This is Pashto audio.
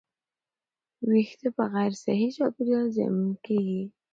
ویښتې په غیر صحي چاپېریال کې زیانمن کېږي.